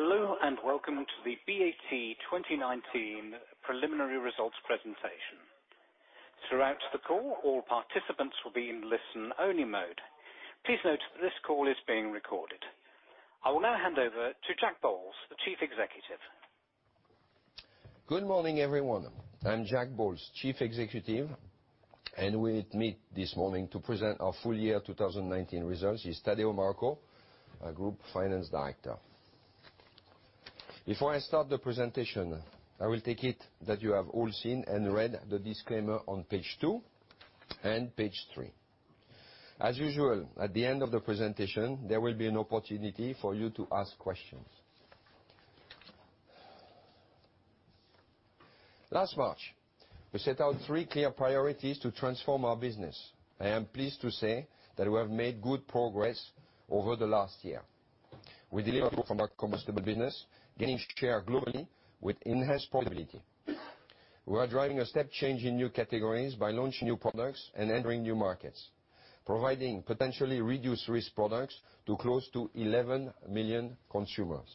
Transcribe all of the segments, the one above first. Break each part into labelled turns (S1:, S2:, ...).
S1: Hello, and welcome to the BAT 2019 preliminary results presentation. Throughout the call, all participants will be in listen-only mode. Please note that this call is being recorded. I will now hand over to Jack Bowles, the Chief Executive.
S2: Good morning, everyone. I'm Jack Bowles, Chief Executive, and with me this morning to present our full-year 2019 results is Tadeu Marroco, our Group Finance Director. Before I start the presentation, I will take it that you have all seen and read the disclaimer on page two and page three. As usual, at the end of the presentation, there will be an opportunity for you to ask questions. Last March, we set out three clear priorities to transform our business. I am pleased to say that we have made good progress over the last year. We delivered from our combustible business, gaining share globally with enhanced profitability. We are driving a step change in new categories by launching new products and entering new markets, providing potentially reduced risk products to close to 11 million consumers.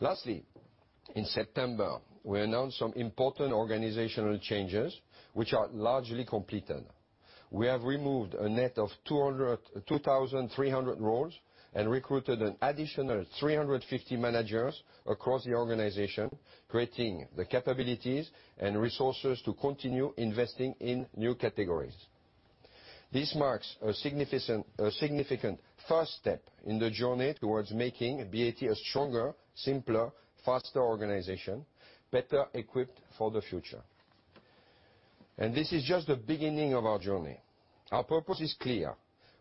S2: Lastly, in September, we announced some important organizational changes, which are largely completed. We have removed a net of 2,300 roles and recruited an additional 350 managers across the organization, creating the capabilities and resources to continue investing in new categories. This marks a significant first step in the journey towards making BAT a stronger, simpler, faster organization, better equipped for the future. This is just the beginning of our journey. Our purpose is clear.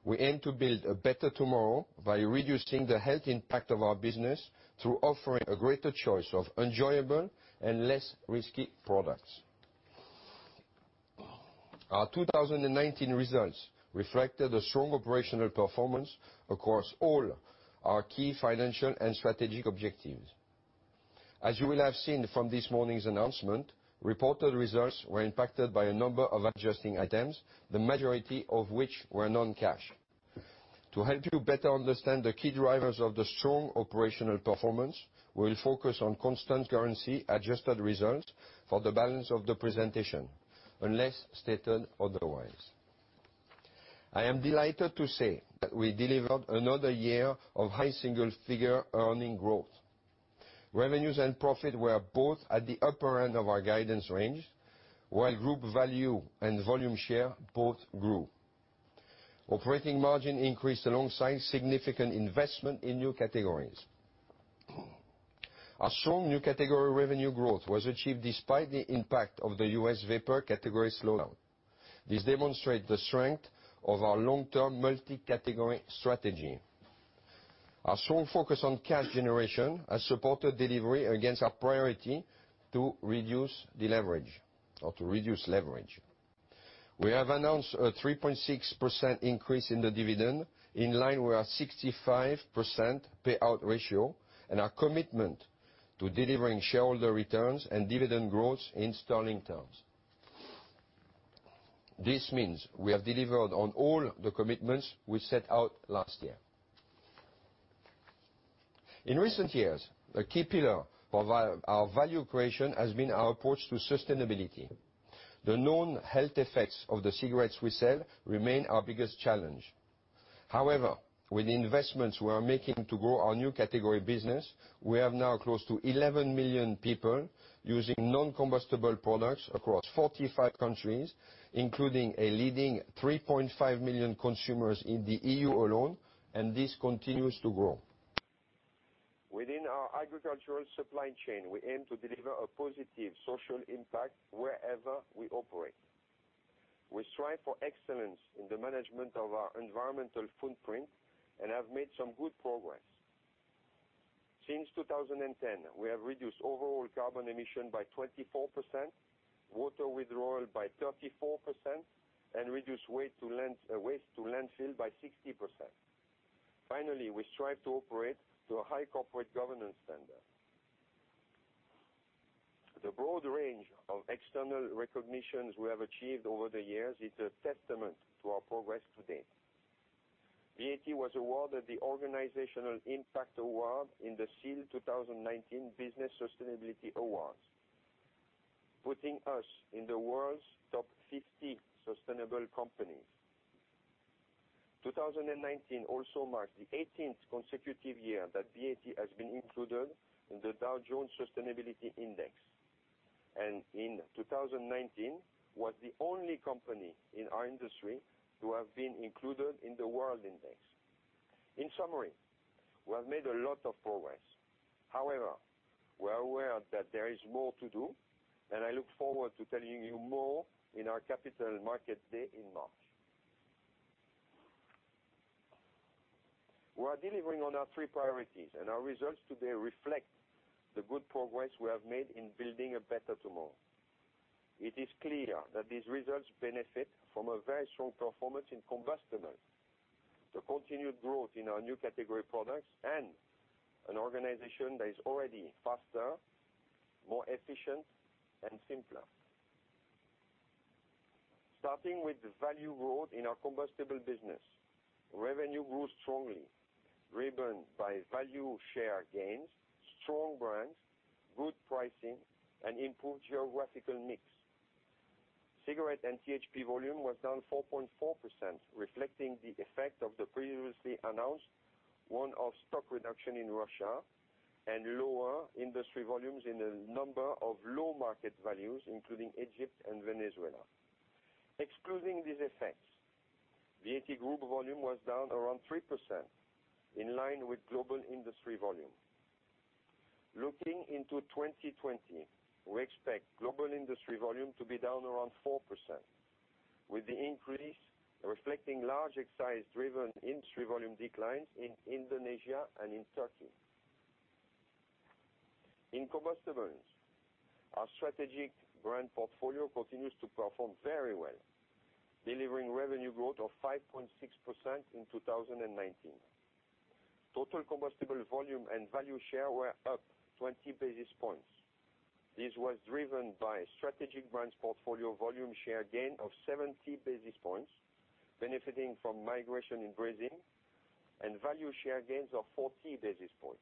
S2: We aim to build a better tomorrow by reducing the health impact of our business through offering a greater choice of enjoyable and less risky products. Our 2019 results reflected a strong operational performance across all our key financial and strategic objectives. As you will have seen from this morning's announcement, reported results were impacted by a number of adjusting items, the majority of which were non-cash. To help you better understand the key drivers of the strong operational performance, we'll focus on constant currency adjusted results for the balance of the presentation, unless stated otherwise. I am delighted to say that we delivered another year of high single figure earning growth. Revenues and profit were both at the upper end of our guidance range, while group value and volume share both grew. Operating margin increased alongside significant investment in new categories. Our strong new category revenue growth was achieved despite the impact of the U.S. vapor category slowdown. This demonstrates the strength of our long-term multi-category strategy. Our strong focus on cash generation has supported delivery against our priority to reduce leverage. We have announced a 3.6% increase in the dividend, in line with our 65% payout ratio and our commitment to delivering shareholder returns and dividend growth in sterling terms. This means we have delivered on all the commitments we set out last year. In recent years, a key pillar for our value creation has been our approach to sustainability. The known health effects of the cigarettes we sell remain our biggest challenge. However, with investments we are making to grow our new category business, we have now close to 11 million people using non-combustible products across 45 countries, including a leading 3.5 million consumers in the EU alone, and this continues to grow. Within our agricultural supply chain, we aim to deliver a positive social impact wherever we operate. We strive for excellence in the management of our environmental footprint and have made some good progress. Since 2010, we have reduced overall carbon emission by 24%, water withdrawal by 34%, and reduced waste to landfill by 60%. Finally, we strive to operate to a high corporate governance standard. The broad range of external recognitions we have achieved over the years is a testament to our progress to date. BAT was awarded the Organizational Impact Award in the SEAL 2019 Business Sustainability Awards, putting us in the world's top 50 sustainable companies. 2019 also marks the 18th consecutive year that BAT has been included in the Dow Jones Sustainability Index, and in 2019, was the only company in our industry to have been included in the world index. In summary, we have made a lot of progress. However, we are aware that there is more to do, and I look forward to telling you more in our Capital Markets Day in March. We are delivering on our three priorities, and our results today reflect the good progress we have made in building a better tomorrow. It is clear that these results benefit from a very strong performance in combustible. The continued growth in our new category products and an organization that is already faster, more efficient, and simpler. Starting with the value growth in our combustible business. Revenue grew strongly, driven by value share gains, strong brands, good pricing, and improved geographical mix. Cigarette and THP volume was down 4.4%, reflecting the effect of the previously announced one-off stock reduction in Russia, and lower industry volumes in a number of low market values, including Egypt and Venezuela. Excluding these effects, BAT group volume was down around 3%, in line with global industry volume. Looking into 2020, we expect global industry volume to be down around 4%, with the increase reflecting large excise-driven industry volume declines in Indonesia and in Turkey. In combustibles, our strategic brand portfolio continues to perform very well, delivering revenue growth of 5.6% in 2019. Total combustible volume and value share were up 20 basis points. This was driven by strategic brands portfolio volume share gain of 70 basis points benefiting from migration in Brazil, and value share gains of 40 basis points.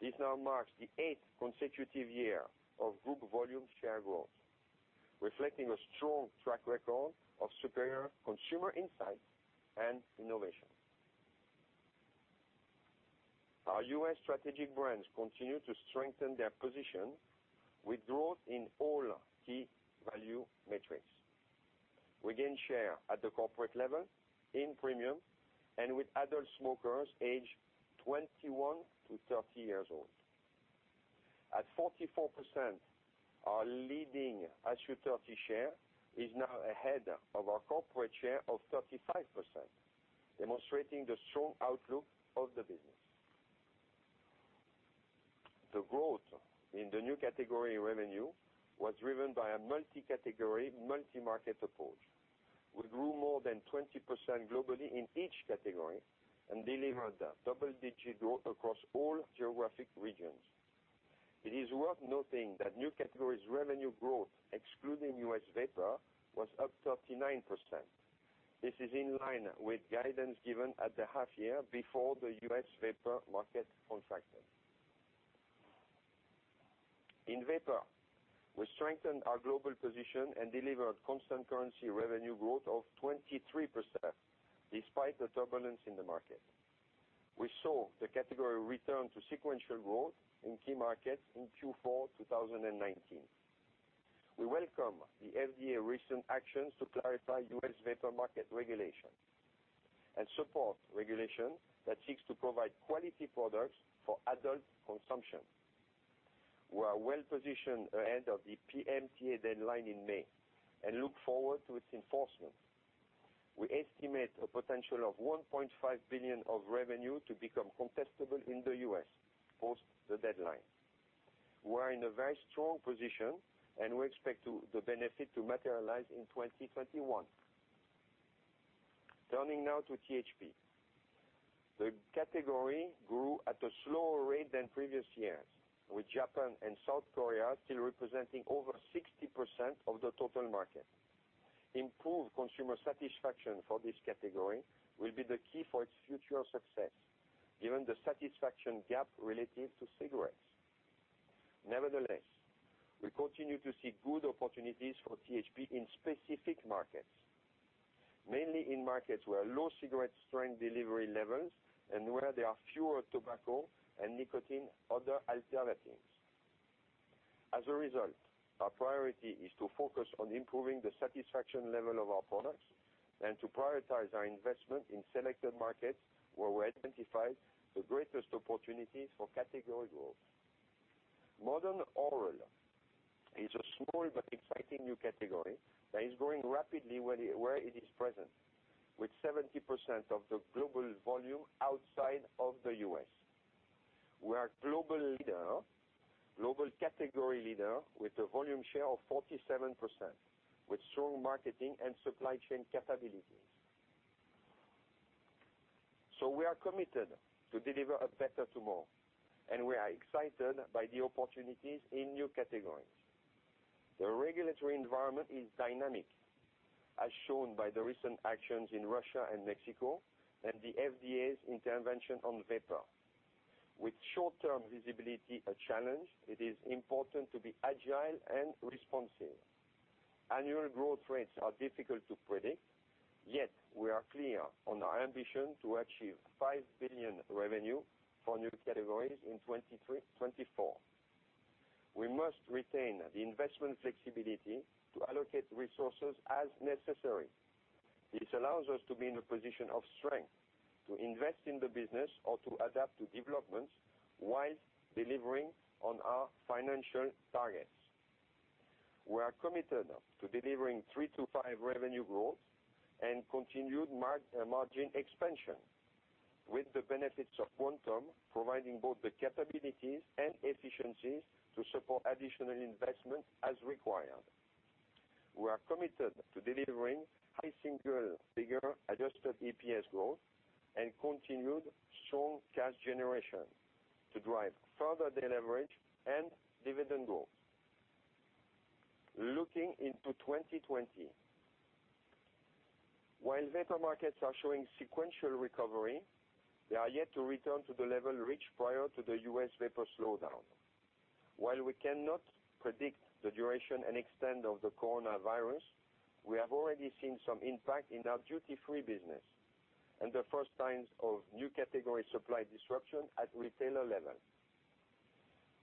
S2: This now marks the eighth consecutive year of group volume share growth, reflecting a strong track record of superior consumer insight and innovation. Our U.S. strategic brands continue to strengthen their position with growth in all key value metrics. We gain share at the corporate level in premium and with adult smokers aged 21-30 years old. At 44%, our leading IQOS 30 share is now ahead of our corporate share of 35%, demonstrating the strong outlook of the business. The growth in the new category revenue was driven by a multi-category, multi-market approach. We grew more than 20% globally in each category and delivered double-digit growth across all geographic regions. It is worth noting that new categories revenue growth, excluding U.S. vapor, was up 39%. This is in line with guidance given at the half year before the U.S. vapor market contracted. In vapor, we strengthened our global position and delivered constant currency revenue growth of 23%, despite the turbulence in the market. We saw the category return to sequential growth in key markets in Q4 2019. We welcome the FDA recent actions to clarify U.S. vapor market regulation, and support regulation that seeks to provide quality products for adult consumption. We are well-positioned ahead of the PMTA deadline in May and look forward to its enforcement. We estimate a potential of 1.5 billion of revenue to become contestable in the U.S. post the deadline. We are in a very strong position, and we expect the benefit to materialize in 2021. Turning now to THP. The category grew at a slower rate than previous years, with Japan and South Korea still representing over 60% of the total market. Improved consumer satisfaction for this category will be the key for its future success, given the satisfaction gap relative to cigarettes. We continue to see good opportunities for THP in specific markets, mainly in markets where low cigarette strength delivery levels and where there are fewer tobacco and nicotine other alternatives. Our priority is to focus on improving the satisfaction level of our products and to prioritize our investment in selected markets where we identified the greatest opportunities for category growth. Modern Oral is a small but exciting new category that is growing rapidly where it is present, with 70% of the global volume outside of the U.S. We are global category leader with a volume share of 47%, with strong marketing and supply chain capabilities. We are committed to deliver a better tomorrow, and we are excited by the opportunities in new categories. The regulatory environment is dynamic, as shown by the recent actions in Russia and Mexico and the FDA's intervention on vapor. With short-term visibility a challenge, it is important to be agile and responsive. Annual growth rates are difficult to predict, yet we are clear on our ambition to achieve 5 billion revenue for new categories in 2024. We must retain the investment flexibility to allocate resources as necessary. This allows us to be in a position of strength to invest in the business or to adapt to developments whilst delivering on our financial targets. We are committed to delivering 3%-5% revenue growth and continued margin expansion with the benefits of Quantum providing both the capabilities and efficiencies to support additional investment as required. We are committed to delivering high single-digit adjusted EPS growth and continued strong cash generation to drive further deleverage and dividend growth. Looking into 2020. While vapor markets are showing sequential recovery, they are yet to return to the level reached prior to the U.S. vapor slowdown. While we cannot predict the duration and extent of the coronavirus, we have already seen some impact in our duty-free business and the first signs of new category supply disruption at retailer level.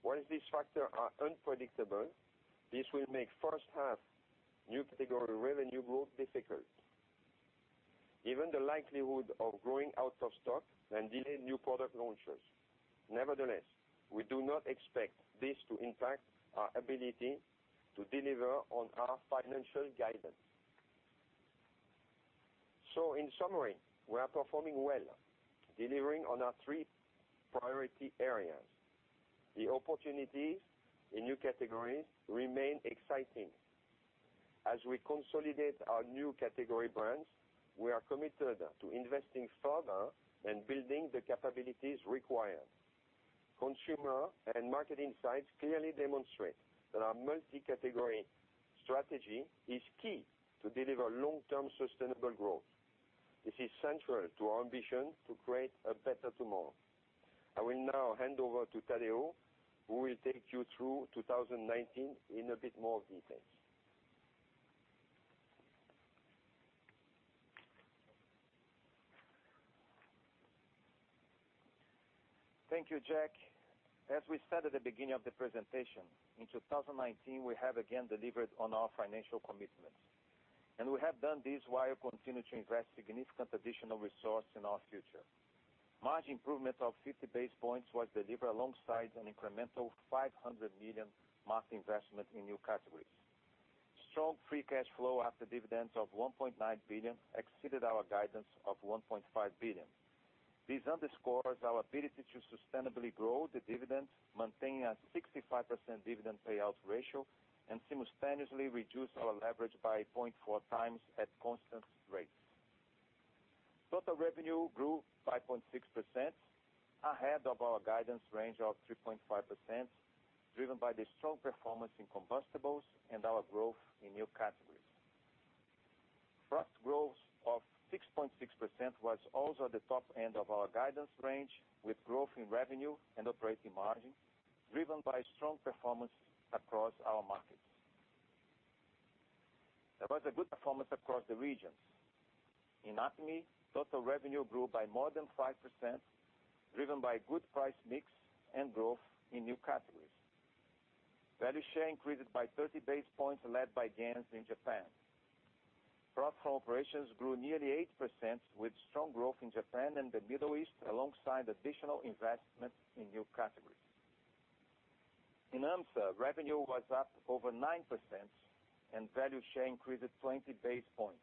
S2: While these factors are unpredictable, this will make first half new category revenue growth difficult, given the likelihood of growing out of stock and delayed new product launches. Nevertheless, we do not expect this to impact our ability to deliver on our financial guidance. In summary, we are performing well, delivering on our three priority areas. The opportunities in new categories remain exciting. As we consolidate our new category brands, we are committed to investing further and building the capabilities required. Consumer and market insights clearly demonstrate that our multi-category strategy is key to deliver long-term sustainable growth. This is central to our ambition to create a better tomorrow. I will now hand over to Tadeu, who will take you through 2019 in a bit more detail.
S3: Thank you, Jack. As we said at the beginning of the presentation, in 2019, we have again delivered on our financial commitments. We have done this while continuing to invest significant additional resource in our future. Margin improvement of 50 basis points was delivered alongside an incremental 500 million marketing investment in new categories. Strong free cash flow after dividends of 1.9 billion exceeded our guidance of 1.5 billion. This underscores our ability to sustainably grow the dividend, maintain a 65% dividend payout ratio, and simultaneously reduce our leverage by 0.4x at constant rates. Total revenue grew 5.6%, ahead of our guidance range of 3.5%, driven by the strong performance in combustibles and our growth in new categories. Profit growth of 6.6% was also at the top end of our guidance range, with growth in revenue and operating margin driven by strong performance across our markets. There was a good performance across the regions. In APMEA, total revenue grew by more than 5%, driven by good price mix and growth in new categories. Value share increased by 30 basis points, led by gains in Japan. Profit from operations grew nearly 8% with strong growth in Japan and the Middle East, alongside additional investment in new categories. In AmSSA, revenue was up over 9% and value share increased 20 basis points,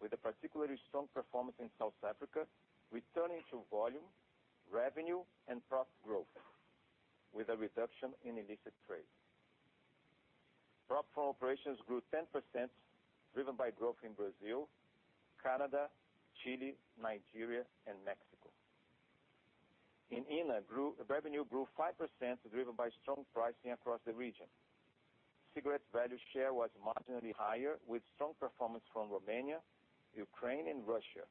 S3: with a particularly strong performance in South Africa, returning to volume, revenue, and profit growth with a reduction in illicit trade. Profit from operations grew 10%, driven by growth in Brazil, Canada, Chile, Nigeria, and Mexico. In ENA, revenue grew 5%, driven by strong pricing across the region. Cigarettes value share was marginally higher with strong performance from Romania, Ukraine, and Russia.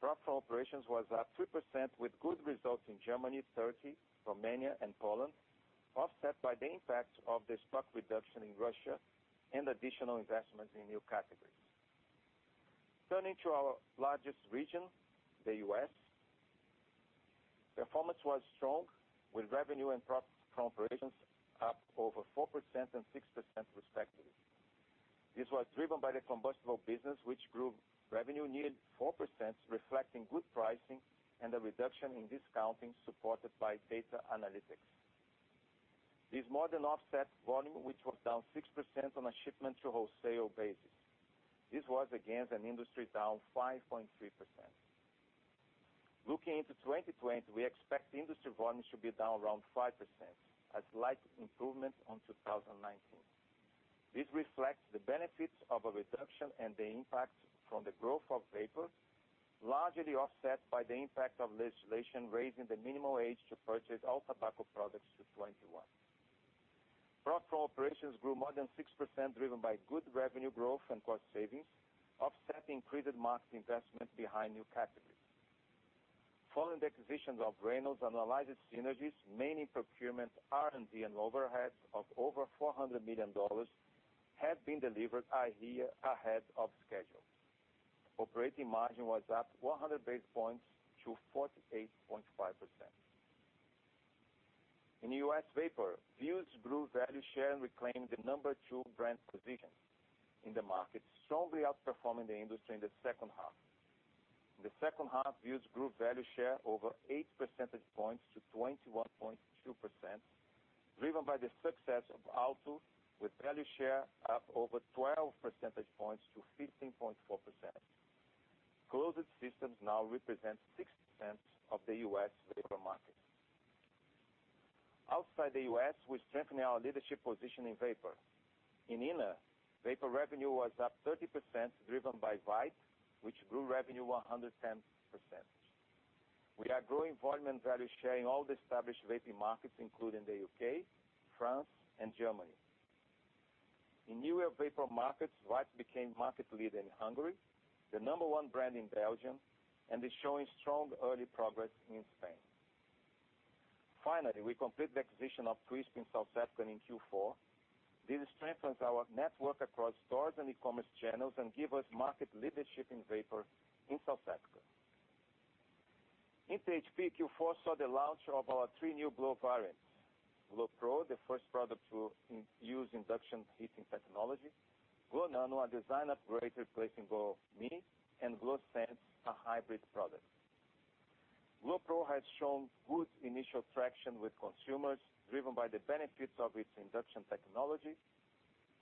S3: Profit from operations was up 3% with good results in Germany, Turkey, Romania, and Poland, offset by the impact of the stock reduction in Russia and additional investments in new categories. Turning to our largest region, the U.S., performance was strong with revenue and profit from operations up over 4% and 6% respectively. This was driven by the combustible business, which grew revenue nearly 4%, reflecting good pricing and a reduction in discounting supported by data analytics. This more than offset volume, which was down 6% on a shipment to wholesale basis. This was against an industry down 5.3%. Looking into 2020, we expect industry volumes to be down around 5%, a slight improvement on 2019. This reflects the benefits of a reduction and the impact from the growth of vapor, largely offset by the impact of legislation raising the minimum age to purchase all tobacco products to 21. Profit from operations grew more than 6%, driven by good revenue growth and cost savings, offsetting increased marketing investment behind new categories. Following the acquisition of Reynolds and realized synergies, mainly procurement, R&D, and overheads of over $400 million have been delivered a year ahead of schedule. Operating margin was up 100 basis points to 48.5%. In U.S. vapor, Vuse grew value share and reclaimed the number two brand position in the market, strongly outperforming the industry in the second half. In the second half, Vuse grew value share over 8 percentage points to 21.2%, driven by the success of Alto, with value share up over 12 percentage points to 15.4%. Closed systems now represent 60% of the U.S. vapor market. Outside the U.S., we're strengthening our leadership position in vapor. In ENA, vapor revenue was up 30%, driven by Vype, which grew revenue 110%. We are growing volume and value, sharing all the established vaping markets, including the U.K., France, and Germany. In newer vapor markets, Vype became market leader in Hungary, the number one brand in Belgium, and is showing strong early progress in Spain. Finally, we complete the acquisition of Twisp in South Africa in Q4. This strengthens our network across stores and e-commerce channels and give us market leadership in vapor in South Africa. In THP, Q4 saw the launch of our three new glo variants. glo Pro, the first product to use induction heating technology, glo Nano, a design upgrade replacing glo Mini, and glo Sens, a hybrid product. glo Pro has shown good initial traction with consumers, driven by the benefits of its induction technology,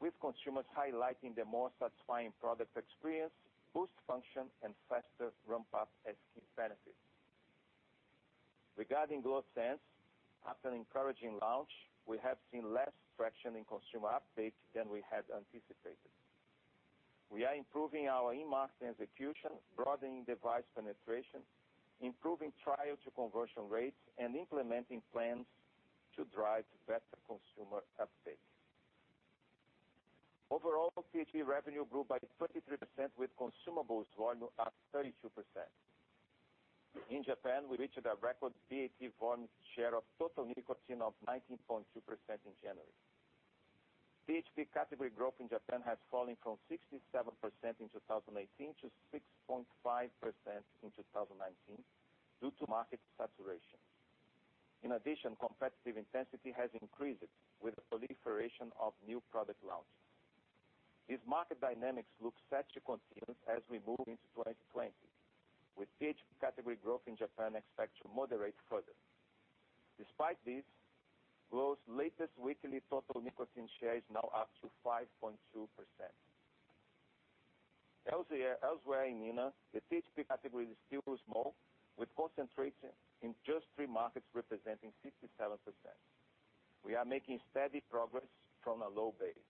S3: with consumers highlighting the more satisfying product experience, boost function, and faster ramp-up as key benefits. Regarding glo Sens, after an encouraging launch, we have seen less traction in consumer uptake than we had anticipated. We are improving our in-market execution, broadening device penetration, improving trial-to-conversion rates, and implementing plans to drive better consumer uptake. Overall, THP revenue grew by 23% with consumables volume up 32%. In Japan, we reached a record THP volume share of total nicotine of 19.2% in January. THP category growth in Japan has fallen from 67% in 2018 to 6.5% in 2019 due to market saturation. In addition, competitive intensity has increased with the proliferation of new product launches. These market dynamics look set to continue as we move into 2020, with THP category growth in Japan expected to moderate further. Despite this, glo's latest weekly total nicotine share is now up to 5.2%. Elsewhere in ENA, the THP category is still small, with concentration in just three markets representing 57%. We are making steady progress from a low base.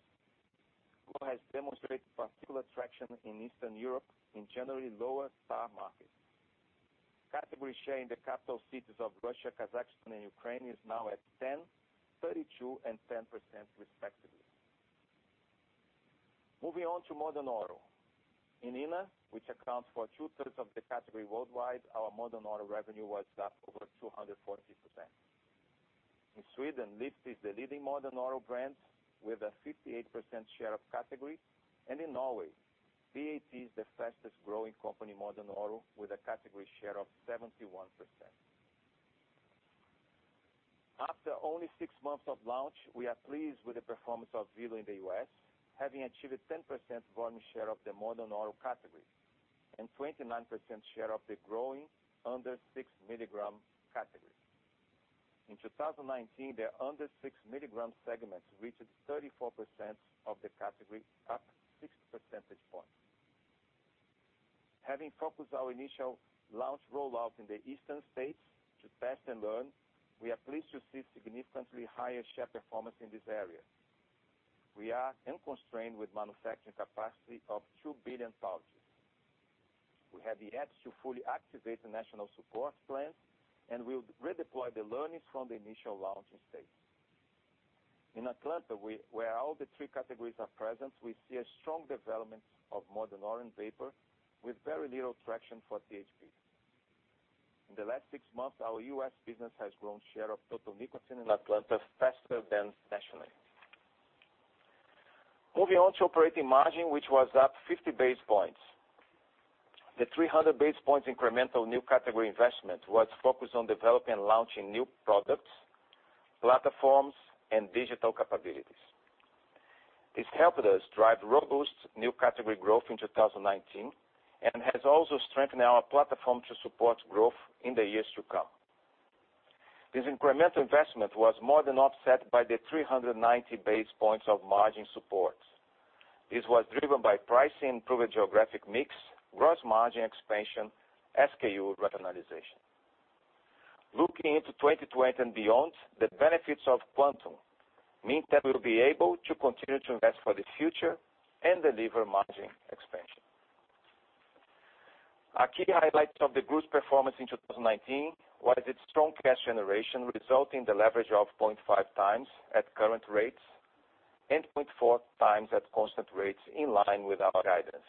S3: glo has demonstrated particular traction in Eastern Europe in generally lower tar markets. Category share in the capital cities of Russia, Kazakhstan, and Ukraine is now at 10%, 32% and 10%, respectively. Moving on to Modern Oral. In ENA, which accounts for two-thirds of the category worldwide, our Modern Oral revenue was up over 240%. In Sweden, Lyft is the leading Modern Oral brand with a 58% share of category, and in Norway, BAT is the fastest-growing company Modern Oral, with a category share of 71%. After only six months of launch, we are pleased with the performance of Velo in the U.S., having achieved 10% volume share of the Modern Oral category and 29% share of the growing under 6 mg category. In 2019, the under 6 mg segments reached 34% of the category, up 6 percentage points. Having focused our initial launch rollout in the eastern states to test and learn, we are pleased to see significantly higher share performance in this area. We are unconstrained with manufacturing capacity of 2 billion pouches. We have yet to fully activate the national support plans and will redeploy the learnings from the initial launch in states. In Atlanta, where all the three categories are present, we see a strong development of Modern Oral and vapor, with very little traction for THP. In the last six months, our U.S. business has grown share of total nicotine in Atlanta faster than nationally. Moving on to operating margin, which was up 50 basis points. The 300 basis points incremental new category investment was focused on developing and launching new products, platforms, and digital capabilities. This helped us drive robust new category growth in 2019 and has also strengthened our platform to support growth in the years to come. This incremental investment was more than offset by the 390 basis points of margin support. This was driven by pricing, improved geographic mix, gross margin expansion, SKU rationalization. Looking into 2020 and beyond, the benefits of Quantum mean that we'll be able to continue to invest for the future and deliver margin expansion. A key highlight of the group's performance in 2019 was its strong cash generation, resulting in the leverage of 0.5x at current rates and 0.4x at constant rates, in line with our guidance.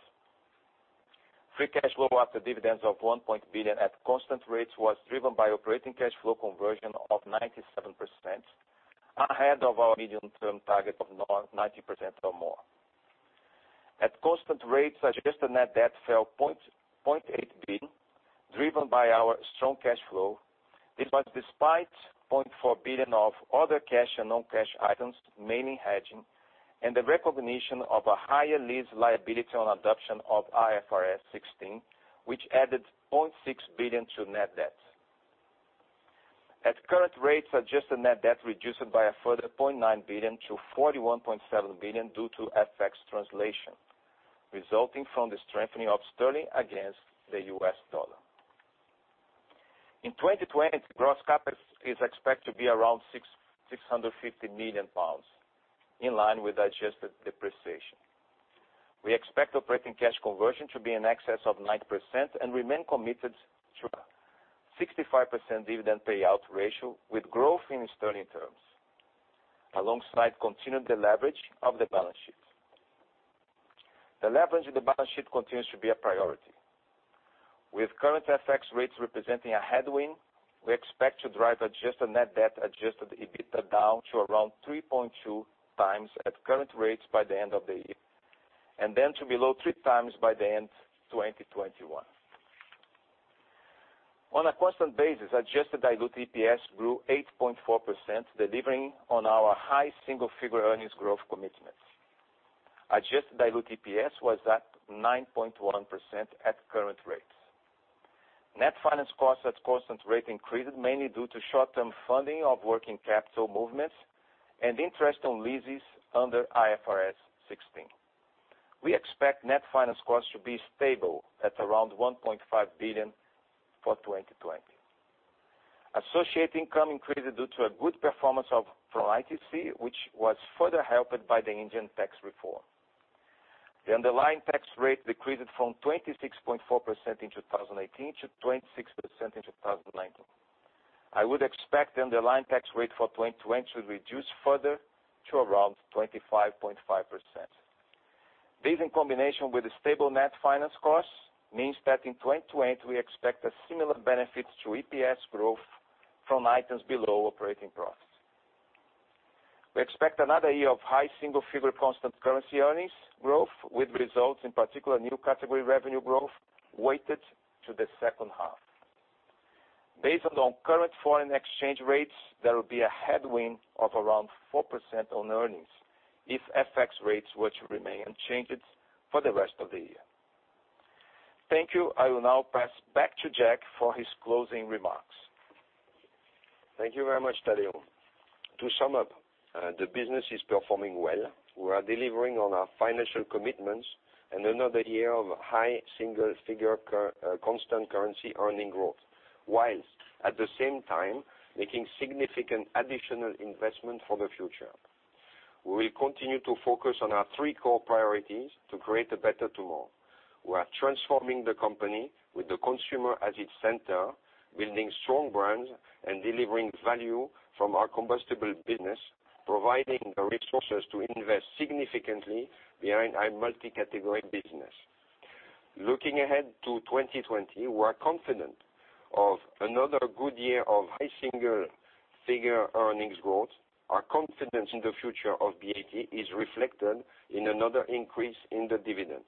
S3: Free cash flow after dividends of 1.8 billion at constant rates was driven by operating cash flow conversion of 97%, ahead of our medium-term target of 90% or more. At constant rates, adjusted net debt fell 0.8 billion, driven by our strong cash flow. This was despite 0.4 billion of other cash and non-cash items, mainly hedging, and the recognition of a higher lease liability on adoption of IFRS 16, which added 0.6 billion to net debt. At current rates, adjusted net debt reduced by a further 0.9 billion to 41.7 billion, resulting from the strengthening of sterling against the U.S. dollar. In 2020, gross capital is expected to be around 650 million pounds, in line with adjusted depreciation. We expect operating cash conversion to be in excess of 90% and remain committed to a 65% dividend payout ratio with growth in sterling terms, alongside continuing the leverage of the balance sheet. The leverage of the balance sheet continues to be a priority. With current FX rates representing a headwind, we expect to drive adjusted net debt adjusted EBITDA down to around 3.2x at current rates by the end of the year, and then to below 3x by the end of 2021. On a constant basis, adjusted dilute EPS grew 8.4%, delivering on our high single-figure earnings growth commitments. Adjusted dilute EPS was at 9.1% at current rates. Net finance costs at constant rate increased mainly due to short-term funding of working capital movements and interest on leases under IFRS 16. We expect net finance costs to be stable at around 1.5 billion for 2020. Associate income increased due to a good performance from ITC, which was further helped by the Indian tax reform. The underlying tax rate decreased from 26.4% in 2018 to 26% in 2019. I would expect the underlying tax rate for 2020 to reduce further to around 25.5%. This, in combination with the stable net finance costs, means that in 2020 we expect a similar benefit to EPS growth from items below operating profits. We expect another year of high single-figure constant currency earnings growth, with results, in particular new category revenue growth, weighted to the second half. Based on current foreign exchange rates, there will be a headwind of around 4% on earnings if FX rates were to remain unchanged for the rest of the year. Thank you. I will now pass back to Jack for his closing remarks.
S2: Thank you very much, Tadeu. To sum up, the business is performing well. We are delivering on our financial commitments and another year of high single-figure constant currency earnings growth, while at the same time making significant additional investment for the future. We will continue to focus on our three core priorities to create a better tomorrow. We are transforming the company with the consumer at its center, building strong brands and delivering value from our combustible business, providing the resources to invest significantly behind our multi-category business. Looking ahead to 2020, we are confident of another good year of high single-figure earnings growth. Our confidence in the future of BAT is reflected in another increase in the dividend.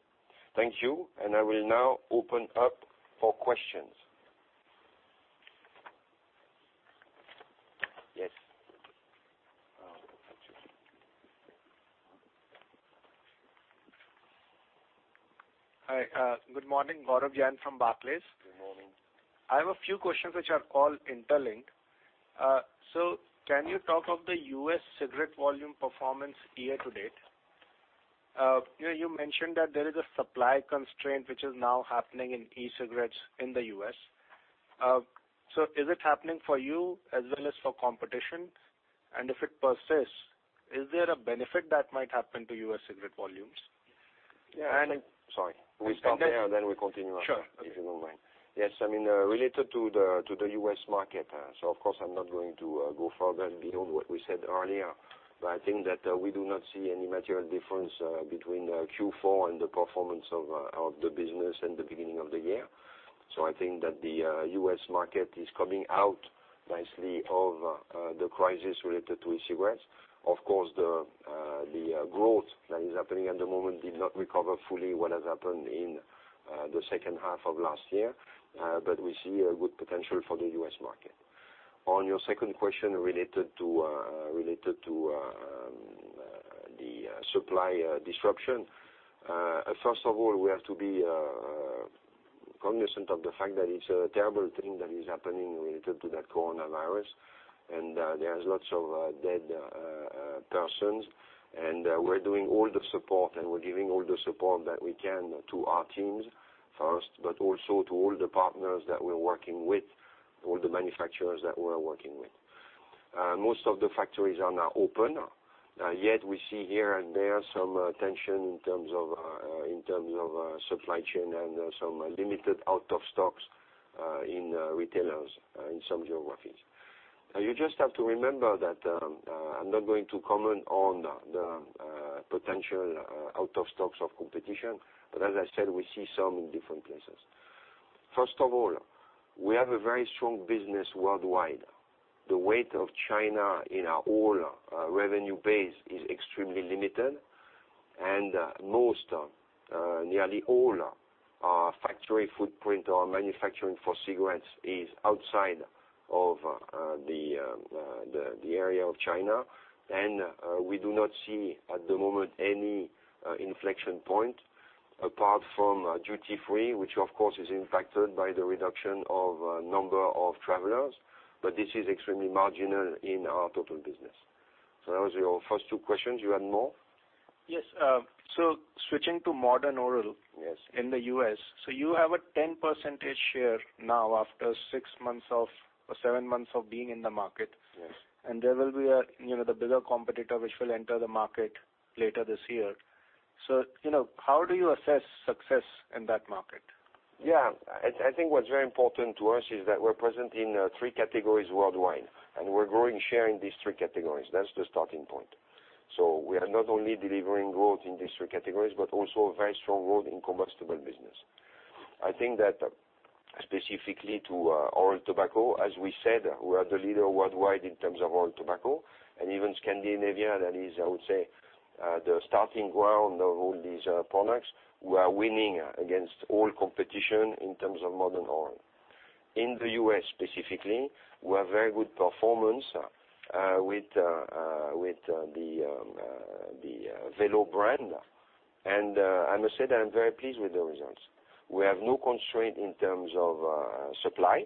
S2: Thank you. I will now open up for questions. Yes.
S4: Hi. Good morning, Gaurav Jain from Barclays.
S2: Good morning.
S4: I have a few questions which are all interlinked. Can you talk of the U.S. cigarette volume performance year to date? You mentioned that there is a supply constraint which is now happening in e-cigarettes in the U.S. Is it happening for you as well as for competition? If it persists, is there a benefit that might happen to U.S. cigarette volumes?
S2: Yeah.
S4: And-
S2: Sorry. We stop there, and then we continue after.
S4: Sure. Okay.
S2: If you don't mind. Yes. Related to the U.S. market. Of course, I'm not going to go further beyond what we said earlier, but I think that we do not see any material difference between Q4 and the performance of the business and the beginning of the year. I think that the U.S. market is coming out nicely of the crisis related to e-cigarettes. Of course, the growth that is happening at the moment did not recover fully what has happened in the second half of last year. We see a good potential for the U.S. market. On your second question related to the supply disruption. First of all, we have to be cognizant of the fact that it's a terrible thing that is happening related to that coronavirus, and there's lots of dead persons. We're doing all the support, and we're giving all the support that we can to our teams first, but also to all the partners that we're working with, all the manufacturers that we're working with. Most of the factories are now open. We see here and there some tension in terms of supply chain and some limited out of stocks in retailers in some geographies. You just have to remember that I'm not going to comment on the potential out of stocks of competition. As I said, we see some in different places. First of all, we have a very strong business worldwide. The weight of China in our whole revenue base is extremely limited, and most, nearly all our factory footprint or manufacturing for cigarettes is outside of the area of China. We do not see at the moment any inflection point apart from duty-free, which of course is impacted by the reduction of number of travelers. This is extremely marginal in our total business. That was your first two questions. You had more?
S4: Yes. switching to Modern Oral-
S2: Yes.
S4: In the U.S. You have a 10% share now after six months or seven months of being in the market.
S2: Yes.
S4: There will be the bigger competitor, which will enter the market later this year. How do you assess success in that market?
S2: Yeah. I think what's very important to us is that we're present in three categories worldwide, and we're growing share in these three categories. That's the starting point. We are not only delivering growth in these three categories, but also a very strong growth in combustible business. I think that specifically to oral tobacco, as we said, we are the leader worldwide in terms of oral tobacco. Even Scandinavia, that is, I would say, the starting ground of all these products. We are winning against all competition in terms of Modern Oral. In the U.S. specifically, we have very good performance with the Velo brand. I must say that I'm very pleased with the results. We have no constraint in terms of supply.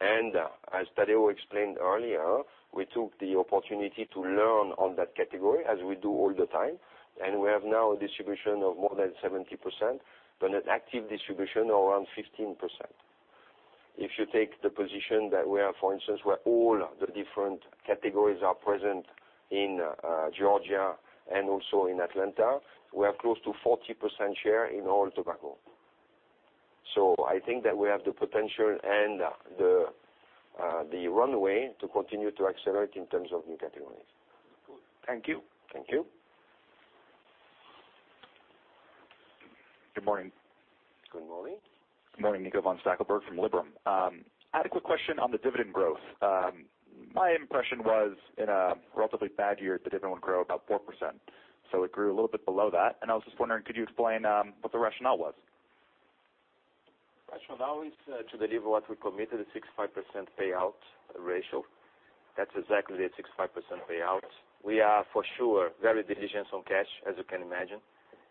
S2: As Tadeu explained earlier, we took the opportunity to learn on that category as we do all the time. We have now a distribution of more than 70%, but an active distribution of around 15%. If you take the position that we are, for instance, where all the different categories are present in Georgia and also in Atlanta, we have close to 40% share in oral tobacco. I think that we have the potential and the runway to continue to accelerate in terms of new categories.
S4: Good. Thank you.
S2: Thank you.
S5: Good morning.
S2: Good morning.
S5: Good morning, Nico von Stackelberg from Liberum. I had a quick question on the dividend growth. My impression was in a relatively bad year, the dividend would grow about 4%. It grew a little bit below that. I was just wondering, could you explain what the rationale was?
S3: Rationale is to deliver what we committed, a 65% payout ratio. That's exactly a 65% payout. We are for sure very diligent on cash, as you can imagine.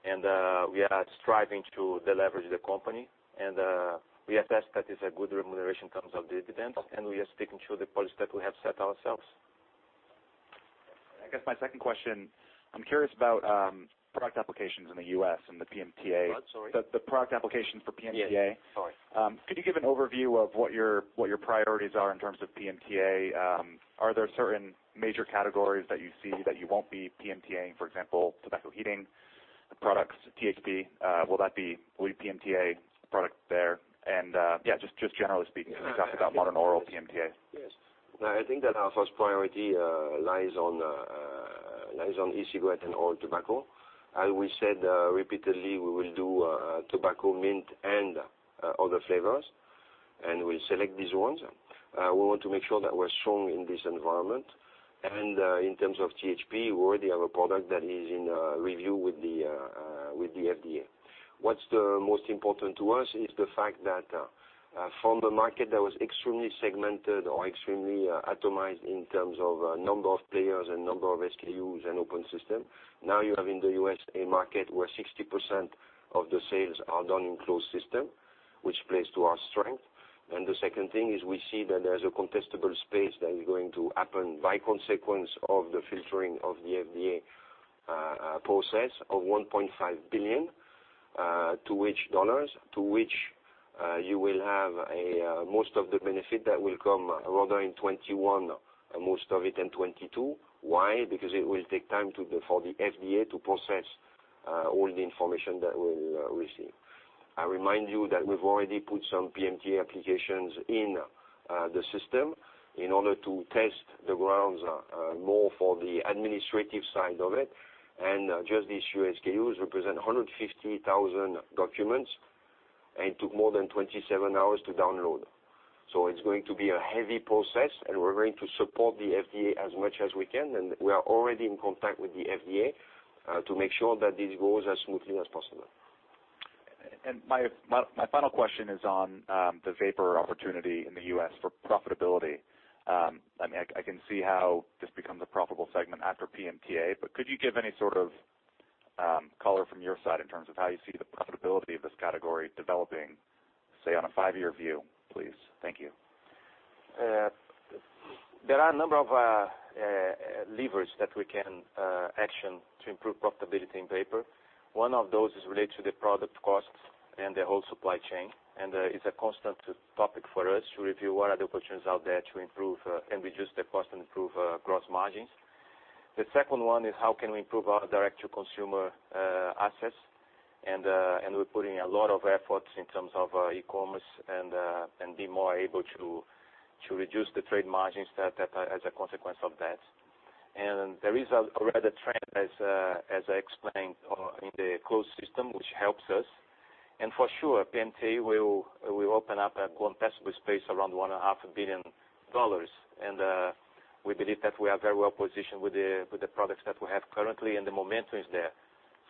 S3: We are striving to deleverage the company. We assess that is a good remuneration in terms of dividends, and we are sticking to the policy that we have set ourselves.
S5: I guess my second question, I'm curious about product applications in the U.S. and the PMTA.
S2: What? Sorry.
S5: The product applications for PMTA.
S2: Yes. Sorry.
S5: Could you give an overview of what your priorities are in terms of PMTA? Are there certain major categories that you see that you won't be PMTA-ing, for example, tobacco heating products, THP? Will you PMTA a product there? Yeah, just generally speaking, can you talk about Modern Oral PMTA?
S2: Yes. No, I think that our first priority lies on e-cigarette and oral tobacco. As we said repeatedly, we will do tobacco, mint, and other flavors. We'll select these ones. We want to make sure that we're strong in this environment. In terms of THP, we already have a product that is in review with the FDA. What's the most important to us is the fact that from the market that was extremely segmented or extremely atomized in terms of number of players and number of SKUs and open system, now you have in the U.S. a market where 60% of the sales are done in closed system, which plays to our strength. The second thing is we see that there's a contestable space that is going to happen by consequence of the filtering of the FDA process of $1.5 billion, to which you will have most of the benefit that will come rather in 2021, most of it in 2022. Why? Because it will take time for the FDA to process all the information that we'll receive. I remind you that we've already put some PMTA applications in the system in order to test the grounds more for the administrative side of it. Just these few SKUs represent 150,000 documents. It took more than 27 hours to download. It's going to be a heavy process, and we're going to support the FDA as much as we can. We are already in contact with the FDA to make sure that this goes as smoothly as possible.
S5: My final question is on the vapor opportunity in the U.S. for profitability. I can see how this becomes a profitable segment after PMTA, but could you give any sort of color from your side in terms of how you see the profitability of this category developing, say, on a five-year view, please? Thank you.
S3: There are a number of levers that we can action to improve profitability in vapor. One of those is related to the product costs and the whole supply chain. It's a constant topic for us to review what are the opportunities out there to improve and reduce the cost and improve gross margins. The second one is how can we improve our direct-to-consumer assets? We're putting a lot of efforts in terms of e-commerce and be more able to reduce the trade margins as a consequence of that. There is already a trend, as I explained, in the closed system, which helps us. For sure, PMTA will open up a contestable space around GBP 1.5 billion. We believe that we are very well positioned with the products that we have currently, and the momentum is there.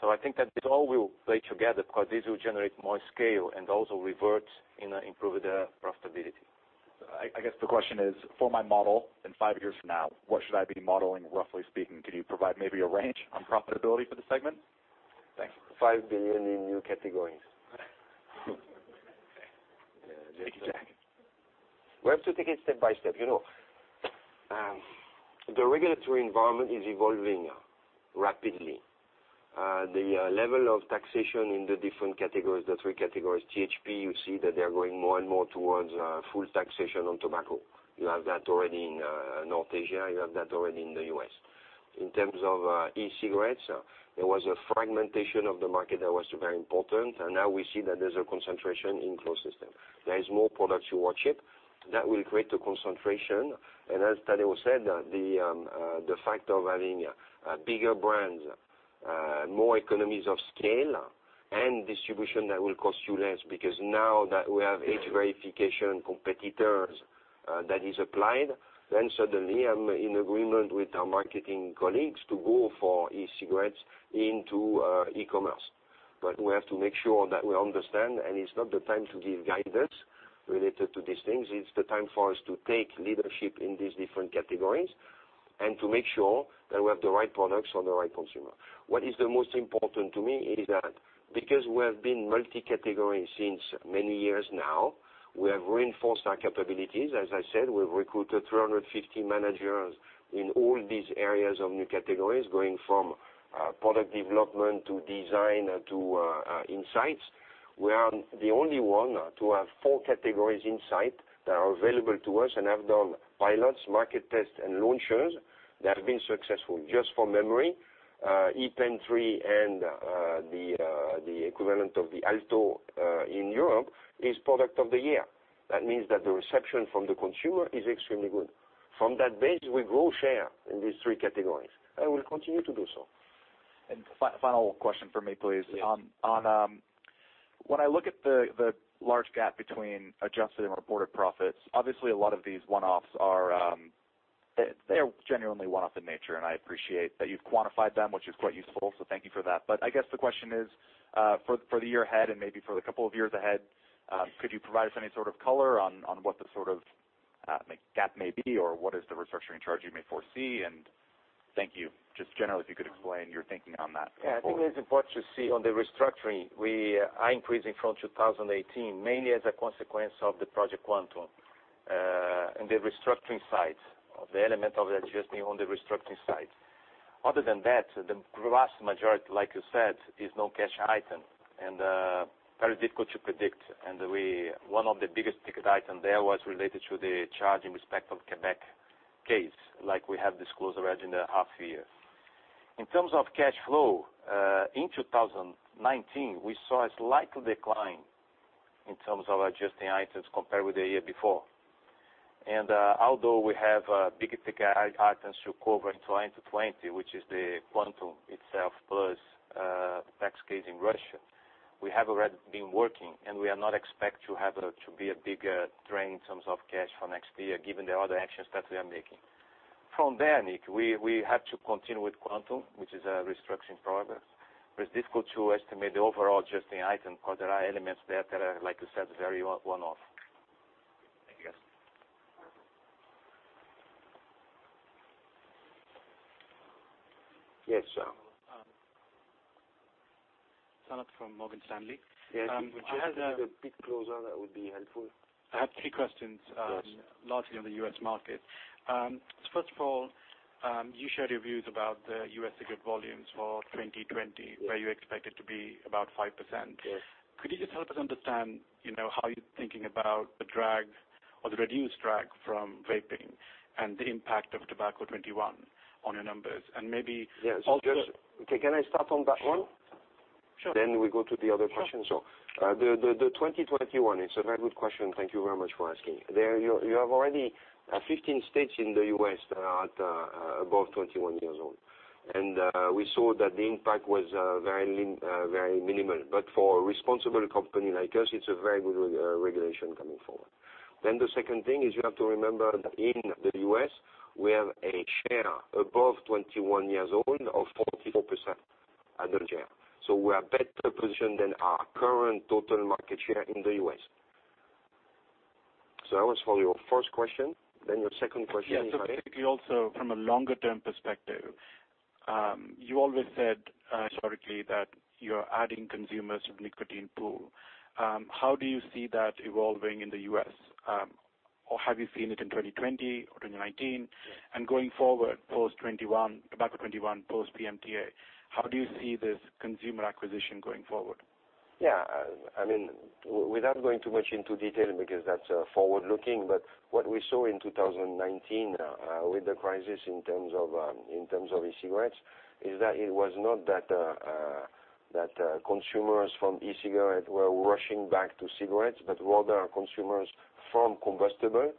S3: I think that this all will play together because this will generate more scale and also revert and improve the profitability.
S5: I guess the question is, for my model, in five years from now, what should I be modeling, roughly speaking? Could you provide maybe a range on profitability for the segment? Thanks.
S2: 5 billion in new categories. Exactly. We have to take it step by step. The regulatory environment is evolving rapidly. The level of taxation in the three categories. THP, you see that they are going more and more towards full taxation on tobacco. You have that already in North Asia, you have that already in the U.S.. In terms of e-cigarettes, there was a fragmentation of the market that was very important. Now we see that there's a concentration in closed system. There is more products to watch it. That will create a concentration. As Tadeu said, the fact of having bigger brands, more economies of scale and distribution that will cost you less. Now that we have age verification competitors that is applied, then suddenly I'm in agreement with our marketing colleagues to go for e-cigarettes into e-commerce. We have to make sure that we understand, and it's not the time to give guidance related to these things. It's the time for us to take leadership in these different categories and to make sure that we have the right products for the right consumer. What is the most important to me is that because we have been multi-category since many years now, we have reinforced our capabilities. As I said, we've recruited 350 managers in all these areas of new categories, going from product development to design to insights. We are the only one to have four categories insight that are available to us and have done pilots, market tests, and launches that have been successful. Just for memory, ePen 3 and the equivalent of the Alto in Europe is product of the year. That means that the reception from the consumer is extremely good. From that base, we grow share in these three categories. We'll continue to do so.
S5: Final question for me, please.
S2: Yes.
S5: When I look at the large gap between adjusted and reported profits, obviously a lot of these one-offs are genuinely one-off in nature, and I appreciate that you've quantified them, which is quite useful, so thank you for that. I guess the question is, for the year ahead and maybe for the couple of years ahead, could you provide us any sort of color on what the sort of gap may be, or what is the restructuring charge you may foresee? Thank you. Just generally, if you could explain your thinking on that going forward.
S3: I think it is important to see on the restructuring, increase in from 2018 mainly as a consequence of the Project Quantum and the restructuring sides of the element of the adjusting on the restructuring side. Other than that, the vast majority, like you said, is no cash item and very difficult to predict. One of the biggest ticket item there was related to the charge in respect of Quebec case, like we have disclosed already in the half year. In terms of cash flow, in 2019, we saw a slight decline in terms of adjusting items compared with the year before. Although we have bigger ticket items to cover in 2020, which is the Quantum itself plus the tax case in Russia. We have already been working, we are not expect to have to be a bigger drain in terms of cash for next year, given the other actions that we are making. From there, Nico, we have to continue with Quantum, which is a restructuring process. It's difficult to estimate the overall adjusting item because there are elements there that are, like you said, very one-off.
S5: Thank you, guys.
S2: Yes, Sanath.
S6: Sanath from Morgan Stanley.
S2: Yes. If I could have a bit closer, that would be helpful.
S6: I have three questions.
S2: Yes.
S6: Largely on the U.S. market. First of all, you shared your views about the U.S. cigarette volumes for 2020, where you expect it to be about 5%.
S2: Yes.
S6: Could you just help us understand how you're thinking about the drag or the reduced drag from vaping and the impact of Tobacco 21 on your numbers?
S2: Yes. Okay, can I start on that one?
S6: Sure.
S2: We go to the other question.
S6: Sure.
S2: The 2021 is a very good question. Thank you very much for asking. You have already 15 states in the U.S. that are at above 21 years old. We saw that the impact was very minimal. For a responsible company like us, it's a very good regulation coming forward. The second thing is you have to remember that in the U.S., we have a share above 21 years old of 44% adult share. We're better positioned than our current total market share in the U.S.. That was for your first question, then your second question.
S6: Yes. Specifically also from a longer-term perspective. You always said historically that you're adding consumers with nicotine pool. How do you see that evolving in the U.S.? Have you seen it in 2020 or 2019? Going forward, about Tobacco 21, post-PMTA, how do you see this consumer acquisition going forward?
S2: Yeah. Without going too much into detail because that's forward-looking, but what we saw in 2019 with the crisis in terms of e-cigarettes is that it was not that consumers from e-cigarette were rushing back to cigarettes, but rather consumers from combustible